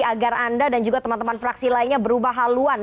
agar anda dan juga teman teman fraksi lainnya berubah haluan